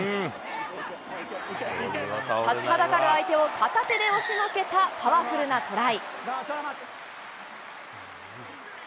立ちはだかる相手を片手で押しのけたパワフルなトライ。